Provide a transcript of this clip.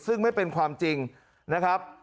ซึ่งไม่เป็นความจริงนะครับ